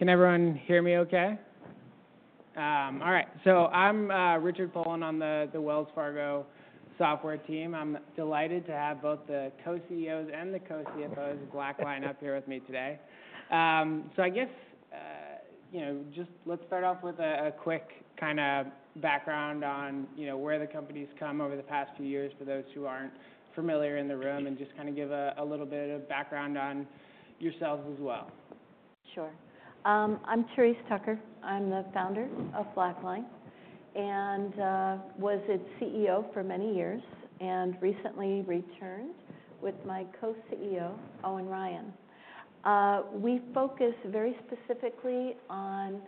All right. Can everyone hear me okay? All right. So I'm Richard Poland on the Wells Fargo software team. I'm delighted to have both the co-CEOs and the co-CFOs of BlackLine up here with me today. So I guess, you know, just let's start off with a quick kind of background on where the company's come over the past few years for those who aren't familiar in the room and just kind of give a little bit of background on yourselves as well. Sure. I'm Therese Tucker. I'm the founder of BlackLine and was its CEO for many years and recently returned with my co-CEO, Owen Ryan. We focus very specifically on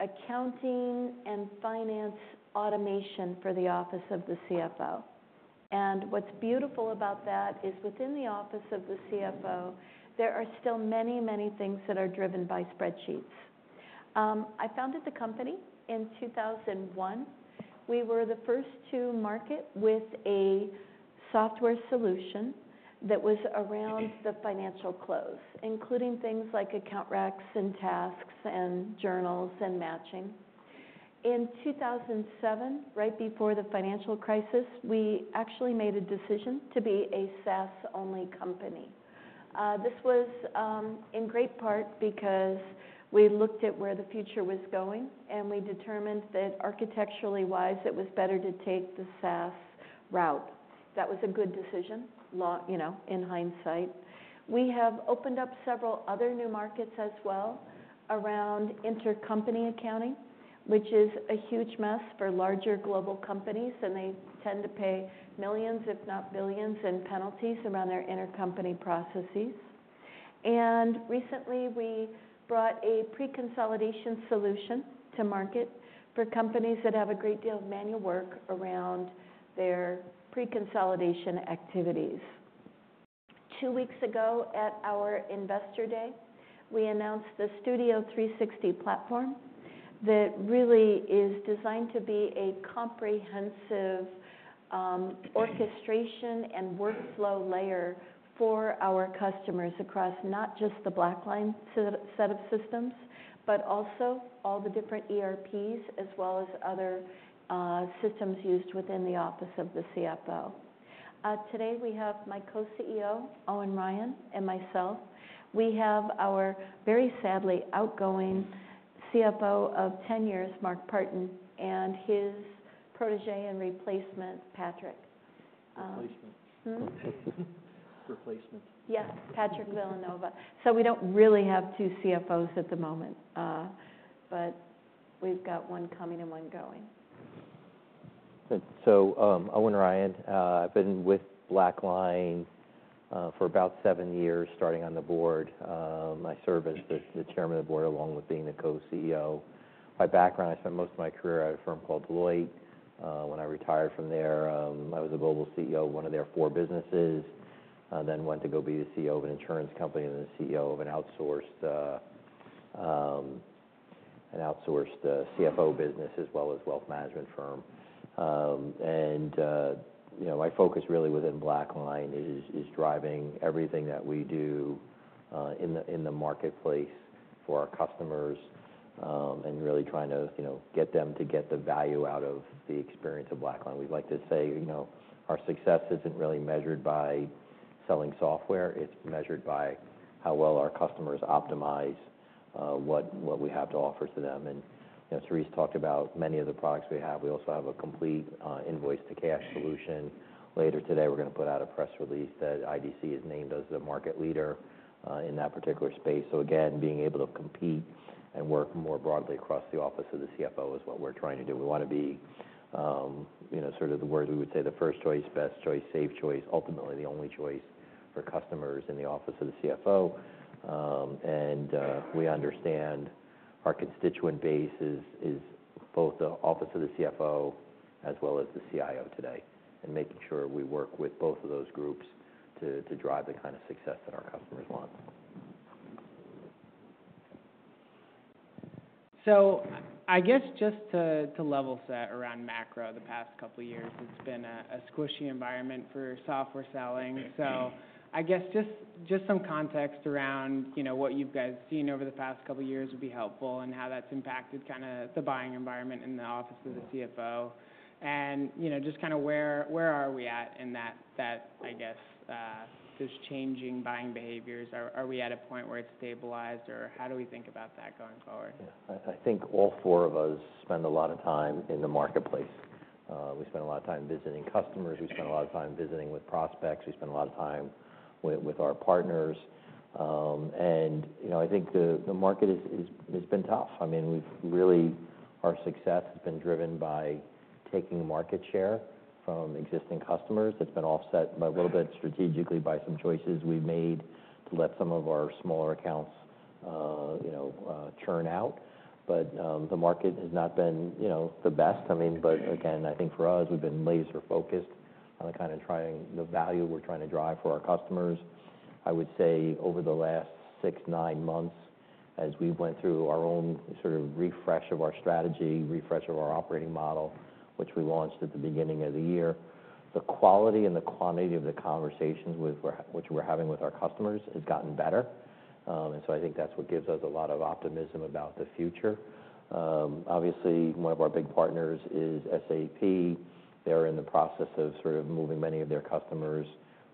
accounting and finance automation for the Office of the CFO. And what's beautiful about that is within the Office of the CFO, there are still many, many things that are driven by spreadsheets. I founded the company in 2001. We were the first to market with a software solution that was around the financial close, including things like account reconciliations and tasks and journals and matching. In 2007, right before the financial crisis, we actually made a decision to be a SaaS-only company. This was in great part because we looked at where the future was going and we determined that architecturally-wise, it was better to take the SaaS route. That was a good decision, you know, in hindsight. We have opened up several other new markets as well around intercompany accounting, which is a huge mess for larger global companies and they tend to pay millions, if not billions, in penalties around their intercompany processes, and recently, we brought a pre-consolidation solution to market for companies that have a great deal of manual work around their pre-consolidation activities. Two weeks ago at our Investor Day, we announced the Studio 360 platform that really is designed to be a comprehensive orchestration and workflow layer for our customers across not just the BlackLine set of systems, but also all the different ERPs as well as other systems used within the Office of the CFO. Today, we have my co-CEO, Owen Ryan, and myself. We have our very sadly outgoing CFO of 10 years, Mark Partin, and his protege and replacement, Patrick. Replacement. Yeah, Patrick Villanova. So we don't really have two CFOs at the moment, but we've got one coming and one going. So, Owen Ryan, I've been with BlackLine for about seven years starting on the board. I serve as the Chairman of the Board along with being the Co-CEO. My background, I spent most of my career at a firm called Deloitte. When I retired from there, I was a global CEO of one of their four businesses, then went to go be the CEO of an insurance company and then CEO of an outsourced CFO business as well as wealth management firm, and, you know, my focus really within BlackLine is driving everything that we do in the marketplace for our customers and really trying to, you know, get them to get the value out of the experience of BlackLine. We'd like to say, you know, our success isn't really measured by selling software. It's measured by how well our customers optimize what we have to offer to them. You know, Therese talked about many of the products we have. We also have a complete invoice-to-cash solution. Later today, we're going to put out a press release that IDC has named as the market leader in that particular space. Again, being able to compete and work more broadly across the Office of the CFO is what we're trying to do. We want to be, you know, sort of the word we would say, the first choice, best choice, safe choice, ultimately the only choice for customers in the Office of the CFO. We understand our constituent base is both the Office of the CFO as well as the CIO today and making sure we work with both of those groups to drive the kind of success that our customers want. So I guess just to level set around macro, the past couple of years, it's been a squishy environment for software selling. So I guess just some context around, you know, what you've guys seen over the past couple of years would be helpful and how that's impacted kind of the buying environment in the Office of the CFO, and, you know, just kind of where are we at in that, I guess, this changing buying behaviors? Are we at a point where it's stabilized or how do we think about that going forward? I think all four of us spend a lot of time in the marketplace. We spend a lot of time visiting customers. We spend a lot of time visiting with prospects. We spend a lot of time with our partners, and you know, I think the market has been tough. I mean, we've really, our success has been driven by taking market share from existing customers. That's been offset a little bit strategically by some choices we've made to let some of our smaller accounts, you know, churn out, but the market has not been, you know, the best. I mean, but again, I think for us, we've been laser-focused on the kind of value we're trying to drive for our customers. I would say over the last six, nine months, as we went through our own sort of refresh of our strategy, refresh of our operating model, which we launched at the beginning of the year, the quality and the quantity of the conversations which we're having with our customers has gotten better. And so I think that's what gives us a lot of optimism about the future. Obviously, one of our big partners is SAP. They're in the process of sort of moving many of their customers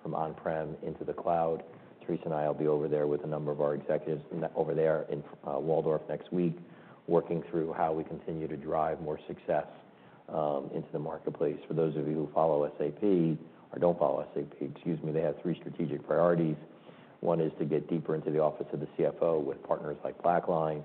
from on-prem into the cloud. Therese and I will be over there with a number of our executives over there in Walldorf next week, working through how we continue to drive more success into the marketplace. For those of you who follow SAP or don't follow SAP, excuse me, they have three strategic priorities. One is to get deeper into the Office of the CFO with partners like BlackLine.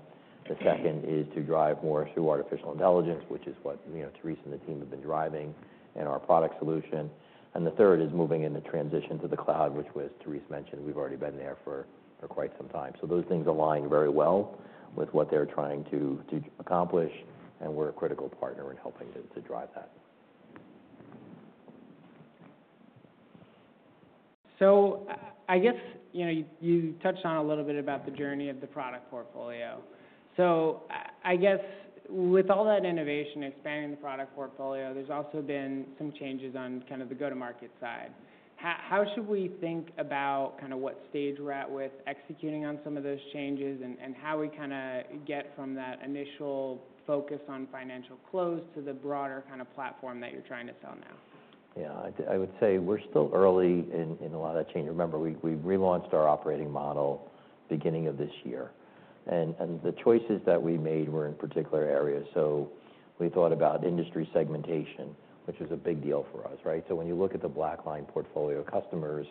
The second is to drive more through artificial intelligence, which is what, you know, Therese and the team have been driving and our product solution. And the third is moving into the transition to the cloud, which Therese mentioned. We've already been there for quite some time. So those things align very well with what they're trying to accomplish and we're a critical partner in helping to drive that. I guess, you know, you touched on a little bit about the journey of the product portfolio. I guess with all that innovation expanding the product portfolio, there's also been some changes on kind of the go-to-market side. How should we think about kind of what stage we're at with executing on some of those changes and how we kind of get from that initial focus on financial close to the broader kind of platform that you're trying to sell now? Yeah, I would say we're still early in a lot of that change. Remember, we relaunched our operating model beginning of this year, and the choices that we made were in particular areas, so we thought about industry segmentation, which was a big deal for us, right, so when you look at the BlackLine portfolio customers,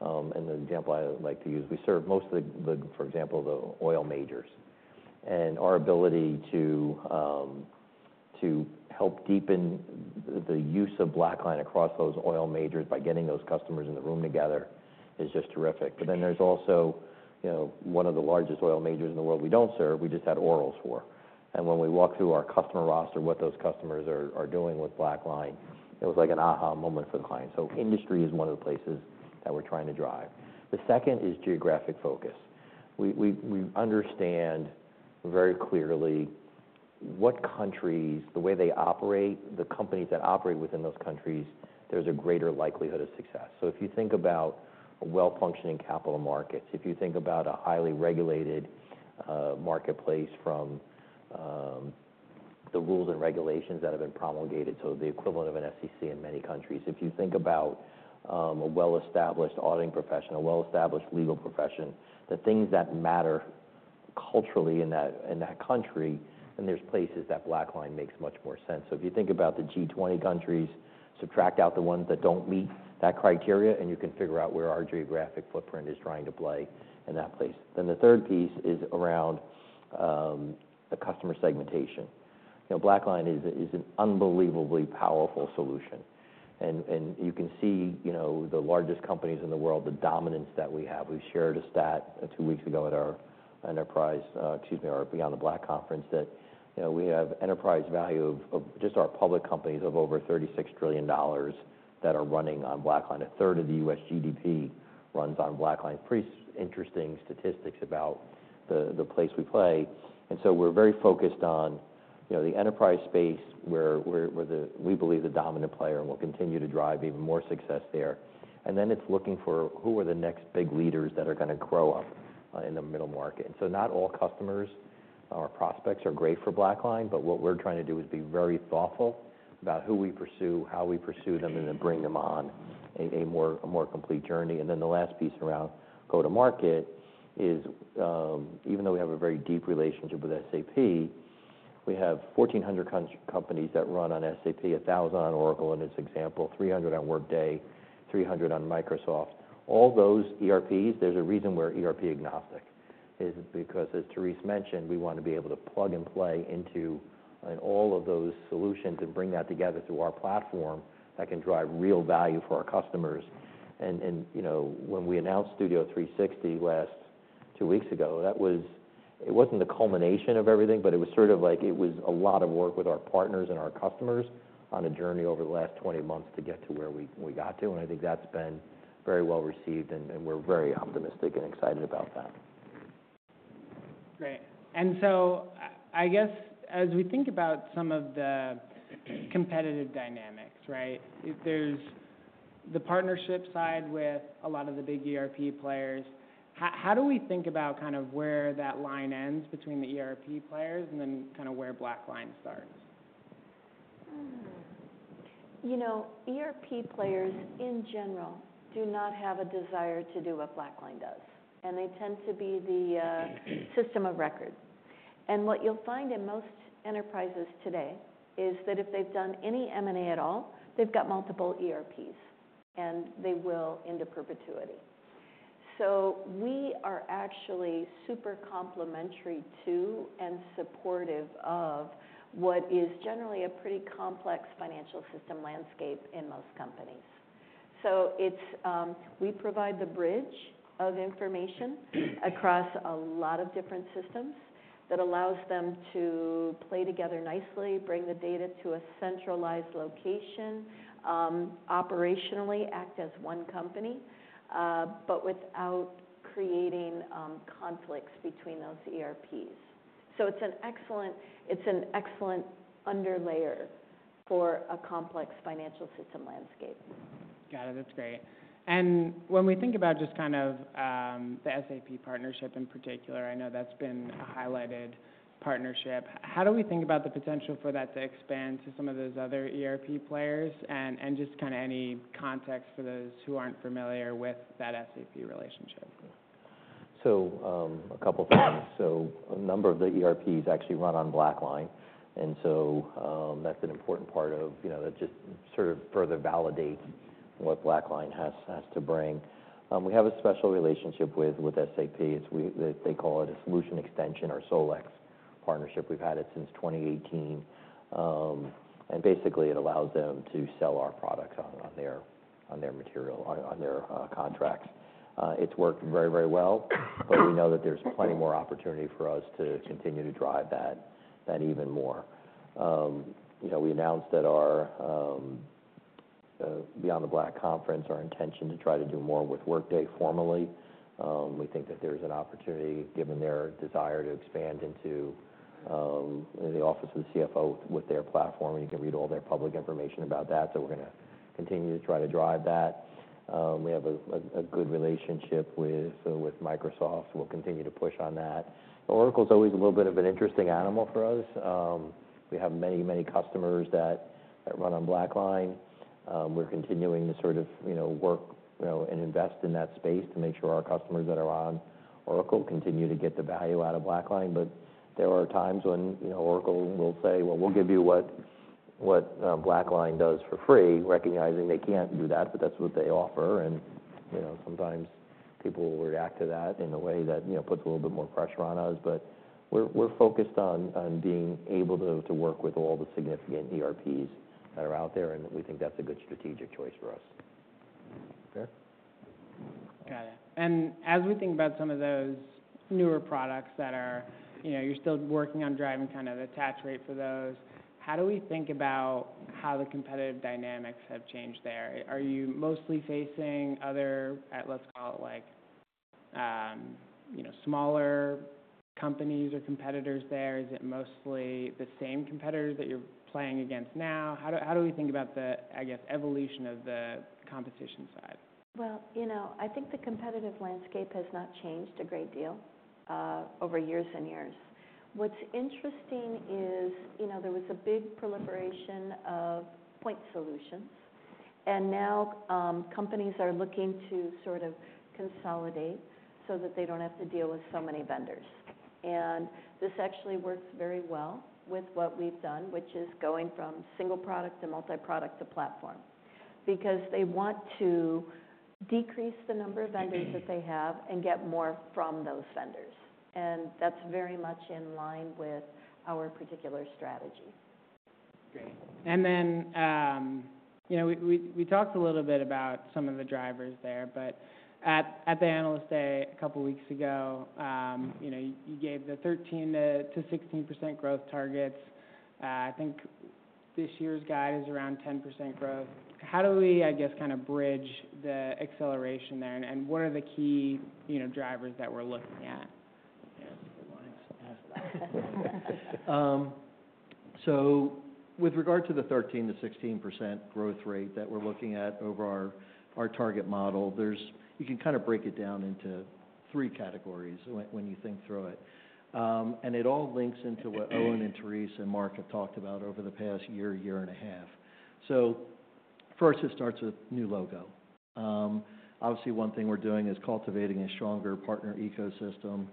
and the example I like to use, we serve most of the, for example, the oil majors, and our ability to help deepen the use of BlackLine across those oil majors by getting those customers in the room together is just terrific, but then there's also, you know, one of the largest oil majors in the world we don't serve, we just had orals for, and when we walk through our customer roster, what those customers are doing with BlackLine, it was like an aha moment for the client. So industry is one of the places that we're trying to drive. The second is geographic focus. We understand very clearly what countries, the way they operate, the companies that operate within those countries, there's a greater likelihood of success. So if you think about well-functioning capital markets, if you think about a highly regulated marketplace from the rules and regulations that have been promulgated, so the equivalent of an SEC in many countries, if you think about a well-established auditing profession, a well-established legal profession, the things that matter culturally in that country, then there's places that BlackLine makes much more sense. So if you think about the G20 countries, subtract out the ones that don't meet that criteria and you can figure out where our geographic footprint is trying to play in that place. Then the third piece is around the customer segmentation. You know, BlackLine is an unbelievably powerful solution. You can see, you know, the largest companies in the world, the dominance that we have. We shared a stat two weeks ago at our enterprise, excuse me, our Beyond the Black Conference that, you know, we have enterprise value of just our public companies of over $36 trillion that are running on BlackLine. A third of the U.S. GDP runs on BlackLine. Pretty interesting statistics about the place we play. We're very focused on, you know, the enterprise space where we believe the dominant player and we'll continue to drive even more success there. Then it's looking for who are the next big leaders that are going to grow up in the middle market. And so not all customers or prospects are great for BlackLine, but what we're trying to do is be very thoughtful about who we pursue, how we pursue them, and then bring them on a more complete journey. And then the last piece around go-to-market is even though we have a very deep relationship with SAP, we have 1,400 companies that run on SAP, 1,000 on Oracle as an example, 300 on Workday, 300 on Microsoft. All those ERPs, there's a reason we're ERP agnostic. It's because, as Therese mentioned, we want to be able to plug and play into all of those solutions and bring that together through our platform that can drive real value for our customers. You know, when we announced Studio 360 two weeks ago, that was. It wasn't the culmination of everything, but it was sort of like it was a lot of work with our partners and our customers on a journey over the last 20 months to get to where we got to. I think that's been very well received and we're very optimistic and excited about that. Great. And so I guess as we think about some of the competitive dynamics, right, there's the partnership side with a lot of the big ERP players. How do we think about kind of where that line ends between the ERP players and then kind of where BlackLine starts? You know, ERP players in general do not have a desire to do what BlackLine does. And they tend to be the system of record. And what you'll find in most enterprises today is that if they've done any M&A at all, they've got multiple ERPs and they will into perpetuity. So we are actually super complementary to and supportive of what is generally a pretty complex financial system landscape in most companies. So we provide the bridge of information across a lot of different systems that allows them to play together nicely, bring the data to a centralized location, operationally act as one company, but without creating conflicts between those ERPs. So it's an excellent underlayer for a complex financial system landscape. Got it. That's great. And when we think about just kind of the SAP partnership in particular, I know that's been a highlighted partnership. How do we think about the potential for that to expand to some of those other ERP players and just kind of any context for those who aren't familiar with that SAP relationship? So a couple of things. So a number of the ERPs actually run on BlackLine. And so that's an important part of, you know, that just sort of further validates what BlackLine has to bring. We have a special relationship with SAP. They call it a Solution Extension or SolEx partnership. We've had it since 2018. And basically, it allows them to sell our products on their material, on their contracts. It's worked very, very well, but we know that there's plenty more opportunity for us to continue to drive that even more. You know, we announced at our Beyond the Black Conference our intention to try to do more with Workday formally. We think that there's an opportunity given their desire to expand into the Office of the CFO with their platform. You can read all their public information about that. So we're going to continue to try to drive that. We have a good relationship with Microsoft. We'll continue to push on that. Oracle is always a little bit of an interesting animal for us. We have many, many customers that run on BlackLine. We're continuing to sort of, you know, work and invest in that space to make sure our customers that are on Oracle continue to get the value out of BlackLine. But there are times when, you know, Oracle will say, well, we'll give you what BlackLine does for free, recognizing they can't do that, but that's what they offer. And, you know, sometimes people will react to that in a way that, you know, puts a little bit more pressure on us. But we're focused on being able to work with all the significant ERPs that are out there. We think that's a good strategic choice for us. Got it, and as we think about some of those newer products that are, you know, you're still working on driving kind of the traction for those, how do we think about how the competitive dynamics have changed there? Are you mostly facing other, let's call it like, you know, smaller companies or competitors there? Is it mostly the same competitors that you're playing against now? How do we think about the, I guess, evolution of the competition side? Well, you know, I think the competitive landscape has not changed a great deal over years and years. What's interesting is, you know, there was a big proliferation of point solutions. And now companies are looking to sort of consolidate so that they don't have to deal with so many vendors. And this actually works very well with what we've done, which is going from single product to multi-product to platform because they want to decrease the number of vendors that they have and get more from those vendors. And that's very much in line with our particular strategy. Great. And then, you know, we talked a little bit about some of the drivers there, but at the Analyst Day a couple of weeks ago, you know, you gave the 13%-16% growth targets. I think this year's guide is around 10% growth. How do we, I guess, kind of bridge the acceleration there? And what are the key, you know, drivers that we're looking at? With regard to the 13%-16% growth rate that we're looking at over our target model, there's you can kind of break it down into three categories when you think through it. It all links into what Owen and Therese and Mark have talked about over the past year, year and a half. First, it starts with new logo. Obviously, one thing we're doing is cultivating a stronger partner ecosystem,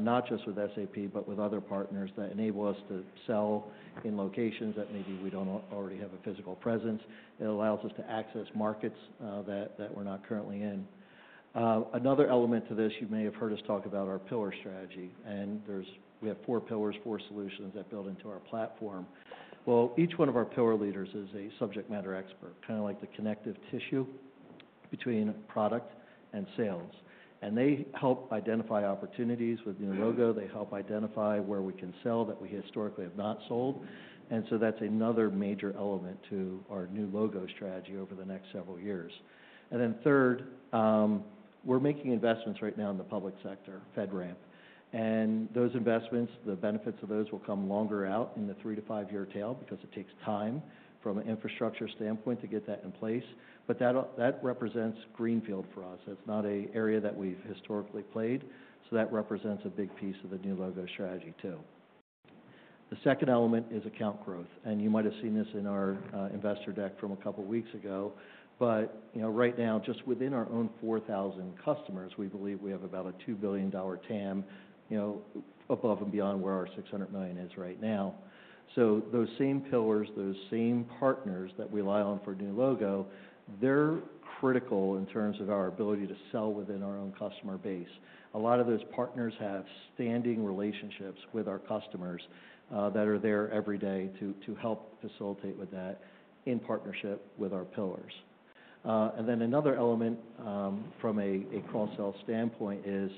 not just with SAP, but with other partners that enable us to sell in locations that maybe we don't already have a physical presence. It allows us to access markets that we're not currently in. Another element to this, you may have heard us talk about our pillar strategy. And there's we have four pillars, four solutions that build into our platform. Each one of our pillar leaders is a subject matter expert, kind of like the connective tissue between product and sales. They help identify opportunities with new logo. They help identify where we can sell that we historically have not sold. So that's another major element to our new logo strategy over the next several years. Then third, we're making investments right now in the public sector, FedRAMP. Those investments, the benefits of those will come longer out in the three- to five-year tail because it takes time from an infrastructure standpoint to get that in place. But that represents greenfield for us. That's not an area that we've historically played. So that represents a big piece of the new logo strategy too. The second element is account growth. You might have seen this in our investor deck from a couple of weeks ago. You know, right now, just within our own 4,000 customers, we believe we have about a $2 billion TAM, you know, above and beyond where our $600 million is right now. Those same pillars, those same partners that we rely on for new logo, they're critical in terms of our ability to sell within our own customer base. A lot of those partners have standing relationships with our customers that are there every day to help facilitate with that in partnership with our pillars. Then another element from a cross-sell standpoint is,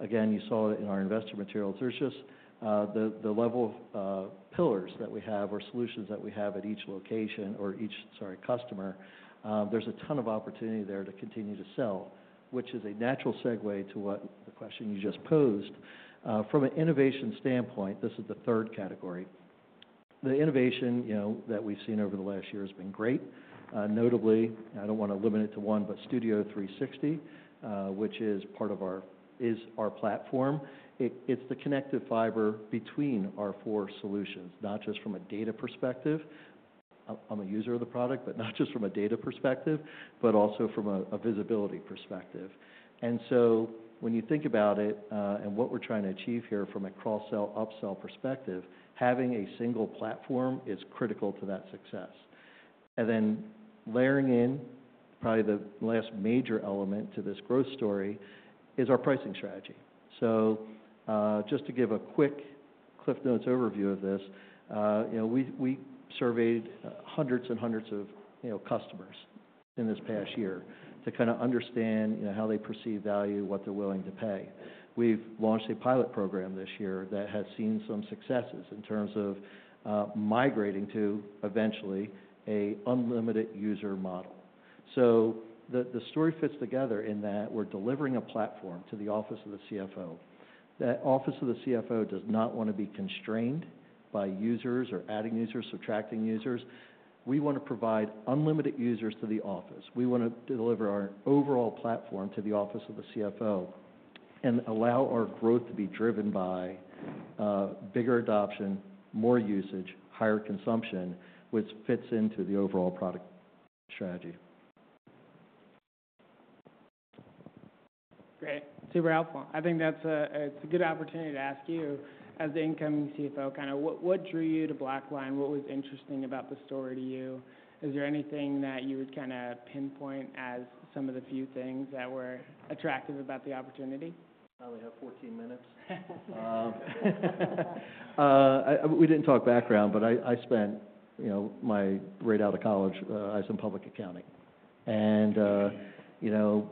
again, you saw it in our investor materials. There's just the level of pillars that we have or solutions that we have at each location or each, sorry, customer. There's a ton of opportunity there to continue to sell, which is a natural segue to what the question you just posed. From an innovation standpoint, this is the third category. The innovation, you know, that we've seen over the last year has been great. Notably, I don't want to limit it to one, but Studio 360, which is our platform. It's the connective fiber between our four solutions, not just from a data perspective. I'm a user of the product, but not just from a data perspective, but also from a visibility perspective. And so when you think about it and what we're trying to achieve here from a cross-sell, upsell perspective, having a single platform is critical to that success. And then layering in probably the last major element to this growth story is our pricing strategy. So just to give a quick CliffsNotes overview of this, you know, we surveyed hundreds and hundreds of, you know, customers in this past year to kind of understand, you know, how they perceive value, what they're willing to pay. We've launched a pilot program this year that has seen some successes in terms of migrating to eventually an unlimited user model. So the story fits together in that we're delivering a platform to the Office of the CFO. That Office of the CFO does not want to be constrained by users or adding users, subtracting users. We want to provide unlimited users to the office. We want to deliver our overall platform to the Office of the CFO and allow our growth to be driven by bigger adoption, more usage, higher consumption, which fits into the overall product strategy. Great. Super helpful. I think that's a good opportunity to ask you as the incoming CFO kind of what drew you to BlackLine? What was interesting about the story to you? Is there anything that you would kind of pinpoint as some of the few things that were attractive about the opportunity? We have 14 minutes. We didn't talk background, but I spent, you know, my time right out of college in public accounting. You know,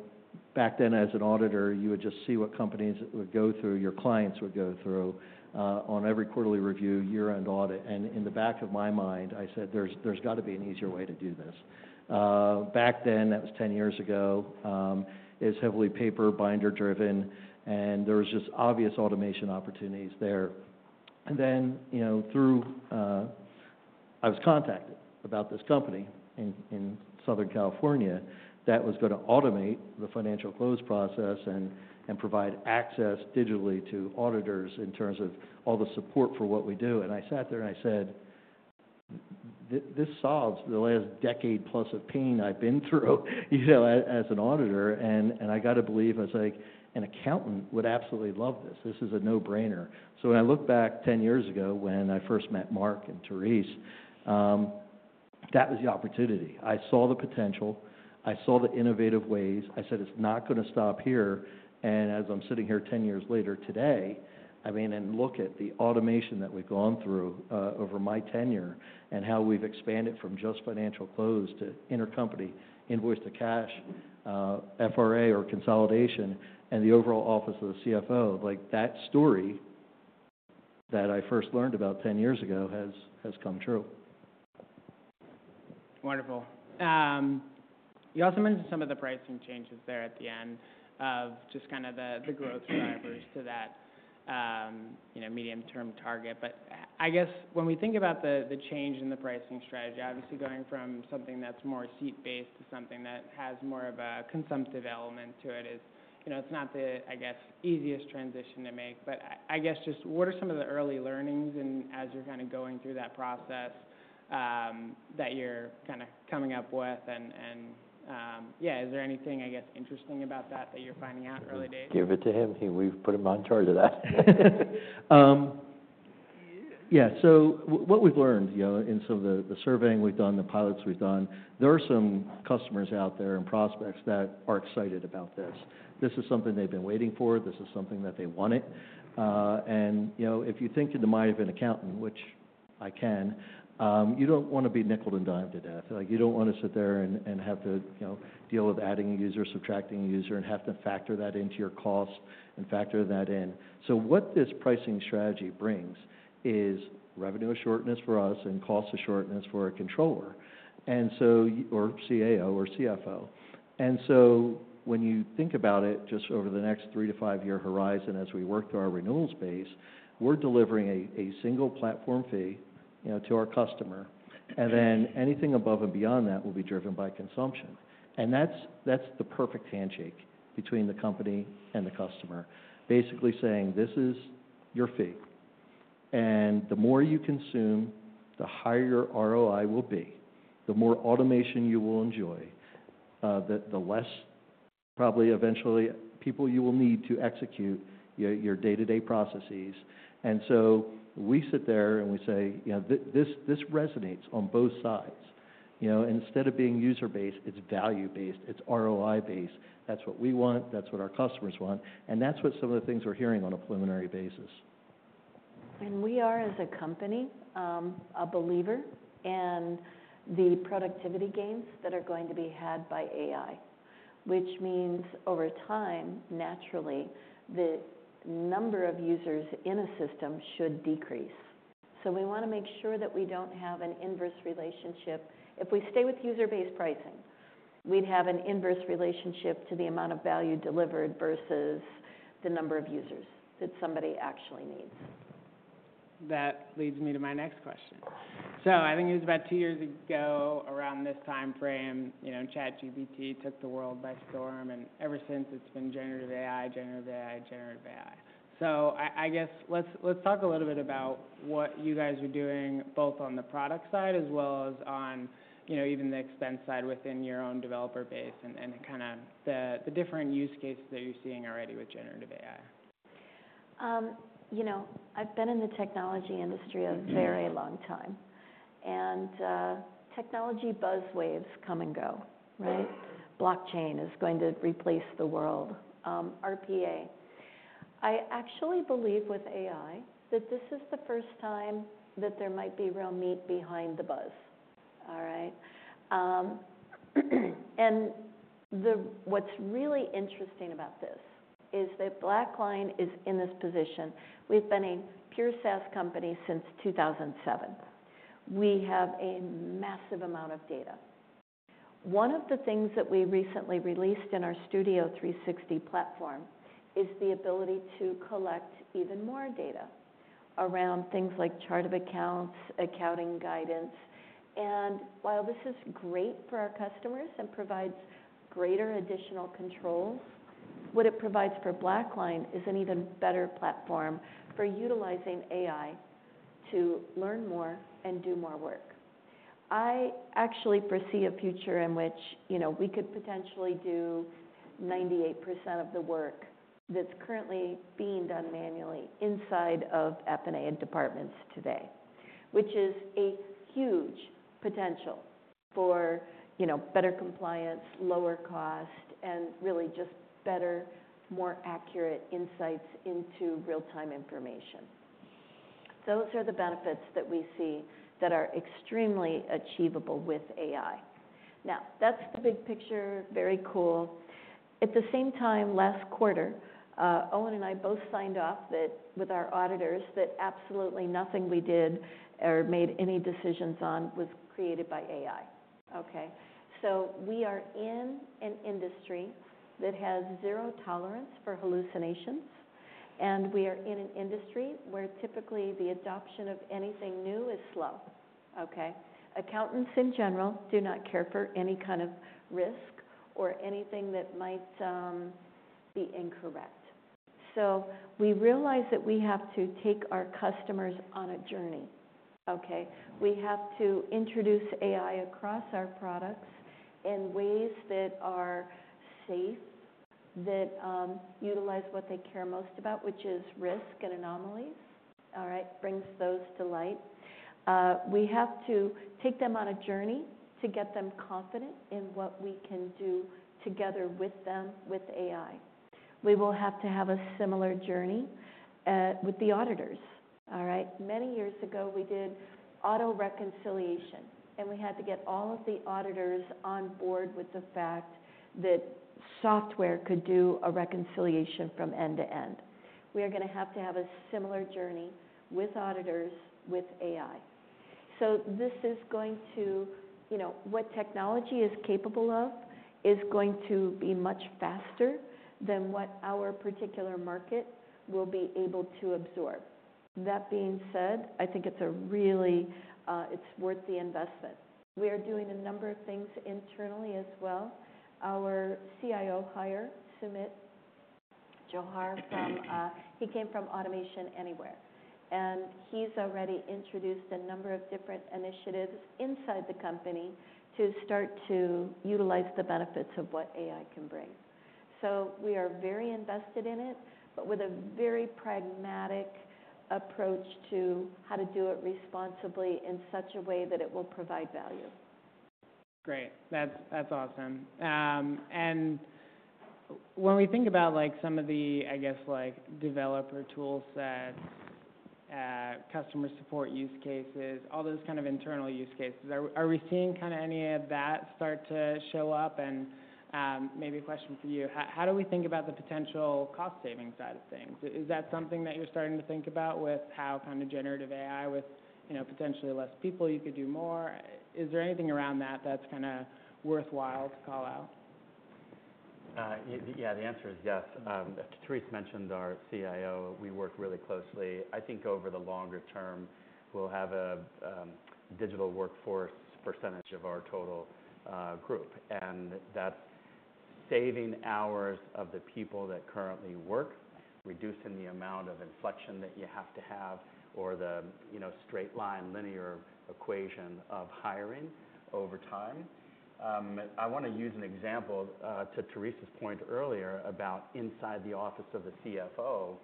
back then as an auditor, you would just see what companies would go through, your clients would go through on every quarterly review, year-end audit. In the back of my mind, I said, there's got to be an easier way to do this. Back then, that was 10 years ago, it was heavily paper binder-driven, and there were just obvious automation opportunities there. Then, you know, I was contacted about this company in Southern California that was going to automate the financial close process and provide access digitally to auditors in terms of all the support for what we do. And I sat there and I said, this solves the last decade plus of pain I've been through, you know, as an auditor. And I got to believe I was like, an accountant would absolutely love this. This is a no-brainer. So when I look back 10 years ago when I first met Mark and Therese, that was the opportunity. I saw the potential. I saw the innovative ways. I said, it's not going to stop here. And as I'm sitting here 10 years later today, I mean, and look at the automation that we've gone through over my tenure and how we've expanded from just financial close to intercompany invoice to cash, FRA or consolidation, and the overall Office of the CFO, like that story that I first learned about 10 years ago has come true. Wonderful. You also mentioned some of the pricing changes there at the end of just kind of the growth drivers to that, you know, medium-term target. But I guess when we think about the change in the pricing strategy, obviously going from something that's more seat-based to something that has more of a consumptive element to it is, you know, it's not the, I guess, easiest transition to make. But I guess just what are some of the early learnings as you're kind of going through that process that you're kind of coming up with? And yeah, is there anything, I guess, interesting about that that you're finding out early days? Give it to him. We've put him in charge of that. Yeah. So what we've learned, you know, in some of the surveys we've done, the pilots we've done, there are some customers out there and prospects that are excited about this. This is something they've been waiting for. This is something that they wanted. And, you know, if you think in the mind of an accountant, which I can, you don't want to be nickeled and dimed to death. Like you don't want to sit there and have to, you know, deal with adding a user, subtracting a user, and have to factor that into your cost and factor that in. So what this pricing strategy brings is revenue predictability for us and cost predictability for a controller and so, or CAO or CFO. And so when you think about it just over the next three- to five-year horizon as we work through our renewals base, we're delivering a single platform fee, you know, to our customer. And then anything above and beyond that will be driven by consumption. And that's the perfect handshake between the company and the customer, basically saying, this is your fee. And the more you consume, the higher your ROI will be. The more automation you will enjoy, the less probably eventually people you will need to execute your day-to-day processes. And so we sit there and we say, you know, this resonates on both sides. You know, instead of being user-based, it's value-based. It's ROI-based. That's what we want. That's what our customers want. And that's what some of the things we're hearing on a preliminary basis. And we are as a company a believer in the productivity gains that are going to be had by AI, which means over time, naturally, the number of users in a system should decrease. So we want to make sure that we don't have an inverse relationship. If we stay with user-based pricing, we'd have an inverse relationship to the amount of value delivered versus the number of users that somebody actually needs. That leads me to my next question. I think it was about two years ago, around this time frame, you know, ChatGPT took the world by storm. And ever since, it's been generative AI, generative AI, generative AI. I guess let's talk a little bit about what you guys are doing both on the product side as well as on, you know, even the expense side within your own developer base and kind of the different use cases that you're seeing already with generative AI. You know, I've been in the technology industry a very long time, and technology buzzwaves come and go, right? Blockchain is going to replace the world. RPA. I actually believe with AI that this is the first time that there might be real meat behind the buzz, all right, and what's really interesting about this is that BlackLine is in this position. We've been a pure SaaS company since 2007. We have a massive amount of data. One of the things that we recently released in our Studio 360 platform is the ability to collect even more data around things like chart of accounts, accounting guidance, and while this is great for our customers and provides greater additional controls, what it provides for BlackLine is an even better platform for utilizing AI to learn more and do more work. I actually foresee a future in which, you know, we could potentially do 98% of the work that's currently being done manually inside of AP and AR departments today, which is a huge potential for, you know, better compliance, lower cost, and really just better, more accurate insights into real-time information. Those are the benefits that we see that are extremely achievable with AI. Now, that's the big picture, very cool. At the same time, last quarter, Owen and I both signed off with our auditors that absolutely nothing we did or made any decisions on was created by AI. Okay. So we are in an industry that has zero tolerance for hallucinations. And we are in an industry where typically the adoption of anything new is slow. Okay. Accountants in general do not care for any kind of risk or anything that might be incorrect. So we realize that we have to take our customers on a journey. Okay. We have to introduce AI across our products in ways that are safe, that utilize what they care most about, which is risk and anomalies, all right, brings those to light. We have to take them on a journey to get them confident in what we can do together with them, with AI. We will have to have a similar journey with the auditors, all right? Many years ago, we did auto reconciliation, and we had to get all of the auditors on board with the fact that software could do a reconciliation from end to end. We are going to have to have a similar journey with auditors with AI. So this is going to, you know, what technology is capable of is going to be much faster than what our particular market will be able to absorb. That being said, I think it's really worth the investment. We are doing a number of things internally as well. Our CIO hire, Sumit Johar. He came from Automation Anywhere, and he's already introduced a number of different initiatives inside the company to start to utilize the benefits of what AI can bring, so we are very invested in it, but with a very pragmatic approach to how to do it responsibly in such a way that it will provide value. Great. That's awesome. And when we think about like some of the, I guess, like developer toolsets, customer support use cases, all those kind of internal use cases, are we seeing kind of any of that start to show up? And maybe a question for you, how do we think about the potential cost-saving side of things? Is that something that you're starting to think about with how kind of generative AI with, you know, potentially less people, you could do more? Is there anything around that that's kind of worthwhile to call out? Yeah, the answer is yes. Therese mentioned our CIO. We work really closely. I think over the longer term, we'll have a digital workforce percentage of our total group. And that's saving hours of the people that currently work, reducing the amount of inflection that you have to have or the, you know, straight line linear equation of hiring over time. I want to use an example to Therese's point earlier about inside the office of the CFO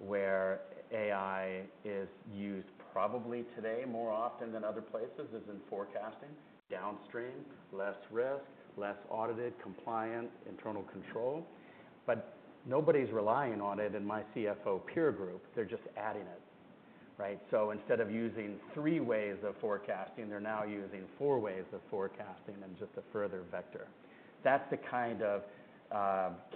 where AI is used probably today more often than other places is in forecasting, downstream, less risk, less audited, compliant, internal control. But nobody's relying on it in my CFO peer group. They're just adding it, right? So instead of using three ways of forecasting, they're now using four ways of forecasting and just a further vector. That's the kind of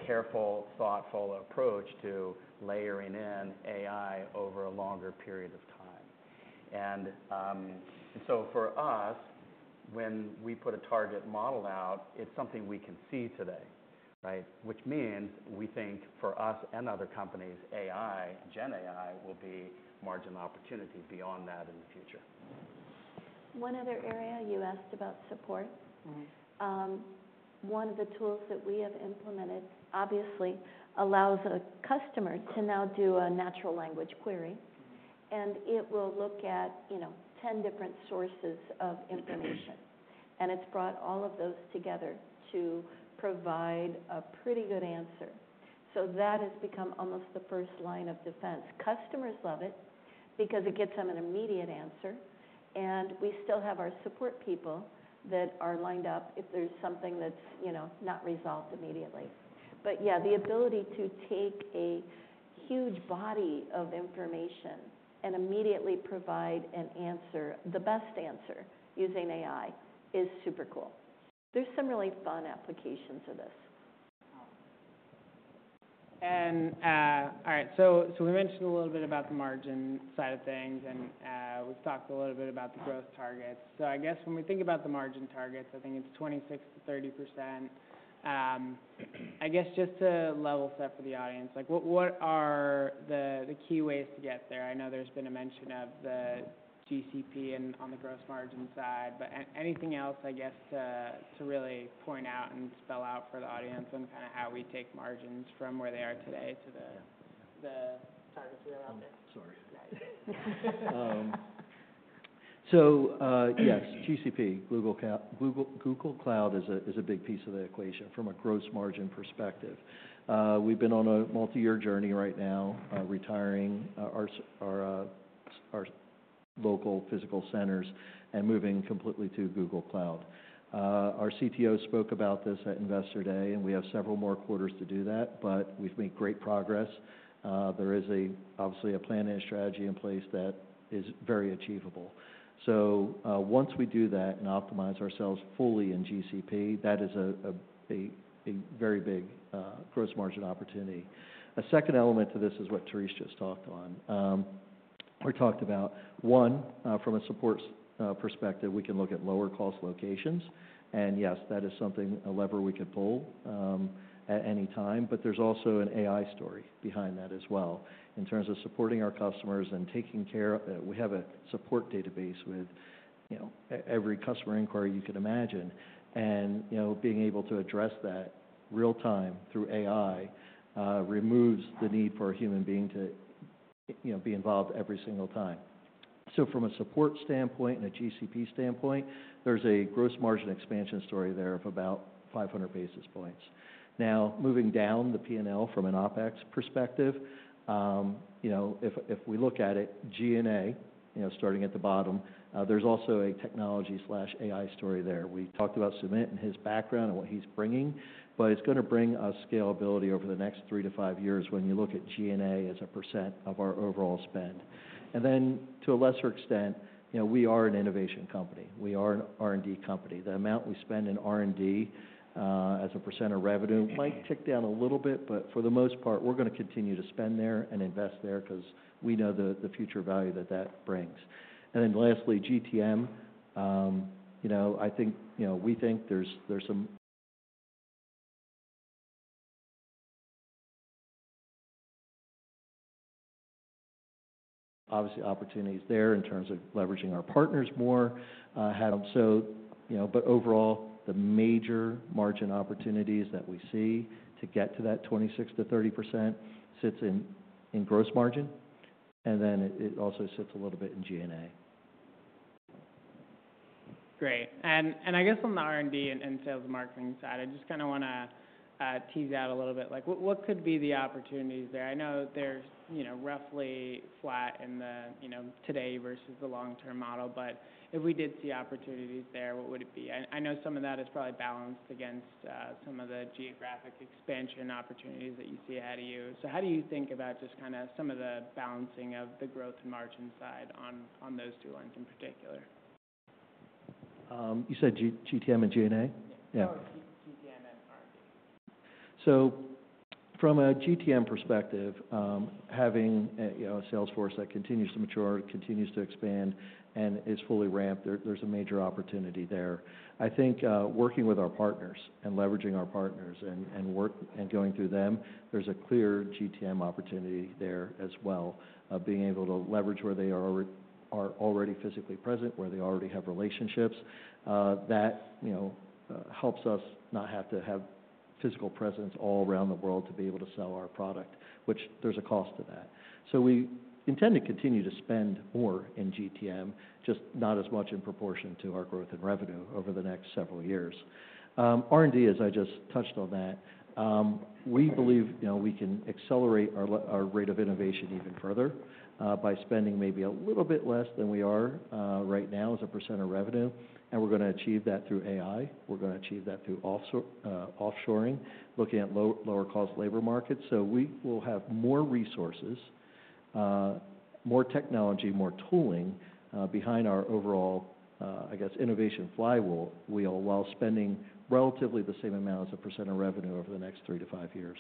careful, thoughtful approach to layering in AI over a longer period of time. And so for us, when we put a target model out, it's something we can see today, right? Which means we think for us and other companies, AI, GenAI will be margin opportunity beyond that in the future. One other area, you asked about support. One of the tools that we have implemented obviously allows a customer to now do a natural language query. And it will look at, you know, 10 different sources of information. And it's brought all of those together to provide a pretty good answer. So that has become almost the first line of defense. Customers love it because it gets them an immediate answer. And we still have our support people that are lined up if there's something that's, you know, not resolved immediately. But yeah, the ability to take a huge body of information and immediately provide an answer, the best answer using AI is super cool. There's some really fun applications of this. And all right. So we mentioned a little bit about the margin side of things. And we've talked a little bit about the growth targets. So I guess when we think about the margin targets, I think it's 26%-30%. I guess just to level set for the audience, like what are the key ways to get there? I know there's been a mention of the GCP and on the gross margin side, but anything else I guess to really point out and spell out for the audience on kind of how we take margins from where they are today to the targets we have out there? Sorry. So yes, GCP, Google Cloud is a big piece of the equation from a gross margin perspective. We've been on a multi-year journey right now, retiring our local physical centers and moving completely to Google Cloud. Our CTO spoke about this at Investor Day, and we have several more quarters to do that, but we've made great progress. There is obviously a plan and a strategy in place that is very achievable. So once we do that and optimize ourselves fully in GCP, that is a very big gross margin opportunity. A second element to this is what Therese just talked on. We talked about one, from a support perspective, we can look at lower cost locations. And yes, that is something, a lever we could pull at any time. But there's also an AI story behind that as well in terms of supporting our customers and taking care of. We have a support database with, you know, every customer inquiry you could imagine. And, you know, being able to address that real-time through AI removes the need for a human being to, you know, be involved every single time. So from a support standpoint and a GCP standpoint, there's a gross margin expansion story there of about 500 basis points. Now, moving down the P&L from an OpEx perspective, you know, if we look at it, G&A, you know, starting at the bottom, there's also a technology/AI story there. We talked about Sumit and his background and what he's bringing, but it's going to bring us scalability over the next three to five years when you look at G&A as a % of our overall spend. And then to a lesser extent, you know, we are an innovation company. We are an R&D company. The amount we spend in R&D as a percent of revenue might tick down a little bit, but for the most part, we're going to continue to spend there and invest there because we know the future value that that brings. And then lastly, GTM, you know, I think, you know, we think there's some, obviously opportunities there in terms of leveraging our partners more. So, you know, but overall, the major margin opportunities that we see to get to that 26%-30% sits in gross margin. And then it also sits a little bit in G&A. Great. And I guess on the R&D and sales and marketing side, I just kind of want to tease out a little bit like what could be the opportunities there? I know they're, you know, roughly flat in the, you know, today versus the long-term model, but if we did see opportunities there, what would it be? I know some of that is probably balanced against some of the geographic expansion opportunities that you see ahead of you. So how do you think about just kind of some of the balancing of the growth and margin side on those two lines in particular? You said GTM and G&A? Yeah. Oh, GTM and R&D. So from a GTM perspective, having a sales force that continues to mature, continues to expand, and is fully ramped, there's a major opportunity there. I think working with our partners and leveraging our partners and work and going through them, there's a clear GTM opportunity there as well of being able to leverage where they are already physically present, where they already have relationships. That, you know, helps us not have to have physical presence all around the world to be able to sell our product, which there's a cost to that. So we intend to continue to spend more in GTM, just not as much in proportion to our growth and revenue over the next several years. R&D, as I just touched on that, we believe, you know, we can accelerate our rate of innovation even further by spending maybe a little bit less than we are right now as a percent of revenue. And we're going to achieve that through AI. We're going to achieve that through offshoring, looking at lower cost labor markets. So we will have more resources, more technology, more tooling behind our overall, I guess, innovation flywheel while spending relatively the same amount as a percent of revenue over the next three to five years.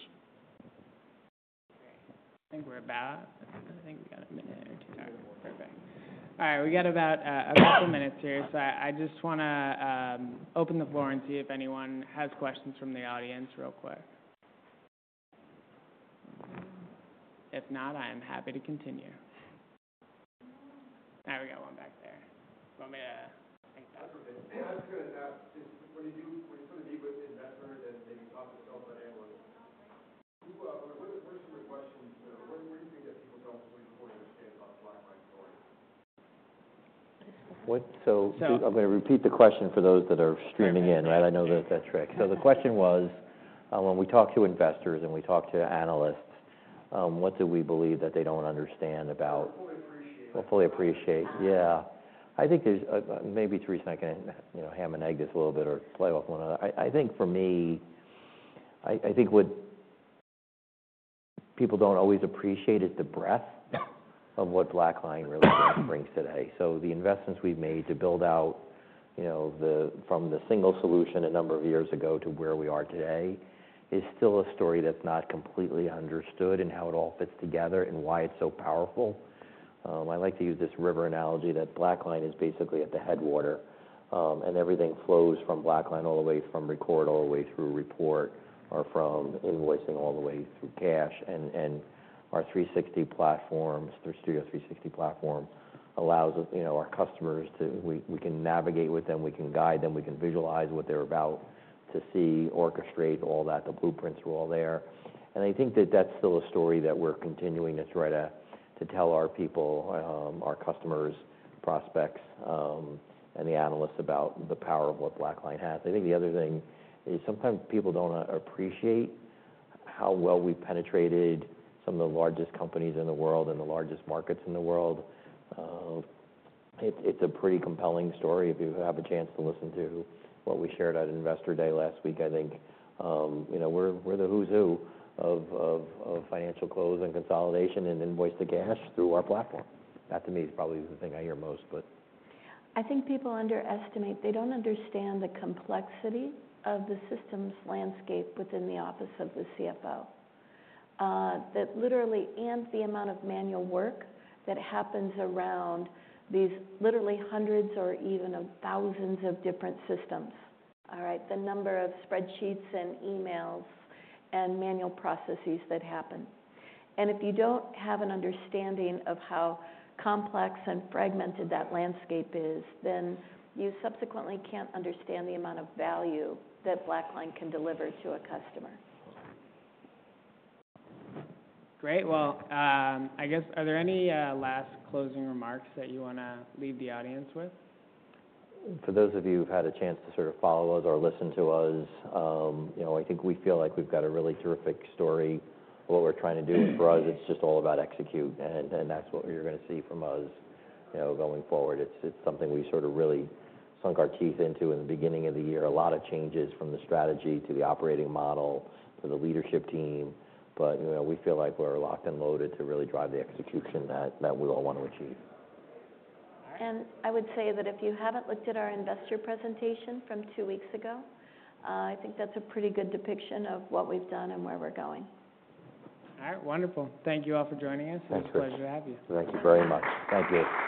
I think we're about. I think we got a minute or two. Perfect. All right. We got about a couple of minutes here. So I just want to open the floor and see if anyone has questions from the audience real quick. If not, I am happy to continue. Now we got one back there. You want me to think that? I was going to ask, when you sort of meet with investors and maybe talk to sell-side analysts, what are some of the questions? What do you think that people don't fully understand about the BlackLine story? So I'm going to repeat the question for those that are streaming in, right? I know that's a trick. So the question was, when we talk to investors and we talk to analysts, what do we believe that they don't understand about? We'll fully appreciate. We'll fully appreciate, yeah. I think there's maybe Therese and I can, you know, ham and egg this a little bit or play with one another. I think for me, I think what people don't always appreciate is the breadth of what BlackLine really brings today. So the investments we've made to build out, you know, from the single solution a number of years ago to where we are today is still a story that's not completely understood and how it all fits together and why it's so powerful. I like to use this river analogy that BlackLine is basically at the headwater, and everything flows from BlackLine all the way from record all the way through report or from invoicing all the way through cash. Our 360 platforms, their Studio 360 platform allows, you know, our customers to, we can navigate with them, we can guide them, we can visualize what they're about to see, orchestrate all that, the blueprints are all there. I think that that's still a story that we're continuing to try to tell our people, our customers, prospects, and the analysts about the power of what BlackLine has. I think the other thing is sometimes people don't appreciate how well we penetrated some of the largest companies in the world and the largest markets in the world. It's a pretty compelling story if you have a chance to listen to what we shared at Investor Day last week. I think, you know, we're the who's who of financial close and consolidation and invoice-to-cash through our platform. That to me is probably the thing I hear most, but. I think people underestimate. They don't understand the complexity of the systems landscape within the office of the CFO. That literally and the amount of manual work that happens around these literally hundreds or even thousands of different systems, all right? The number of spreadsheets and emails and manual processes that happen and if you don't have an understanding of how complex and fragmented that landscape is, then you subsequently can't understand the amount of value that BlackLine can deliver to a customer. Great. Well, I guess, are there any last closing remarks that you want to leave the audience with? For those of you who've had a chance to sort of follow us or listen to us, you know, I think we feel like we've got a really terrific story. What we're trying to do for us, it's just all about execution, and that's what you're going to see from us, you know, going forward. It's something we sort of really sunk our teeth into in the beginning of the year, a lot of changes from the strategy to the operating model for the leadership team, but, you know, we feel like we're locked and loaded to really drive the execution that we all want to achieve. I would say that if you haven't looked at our investor presentation from two weeks ago, I think that's a pretty good depiction of what we've done and where we're going. All right. Wonderful. Thank you all for joining us. Thanks, guys. It's a pleasure to have you. Thank you very much. Thank you.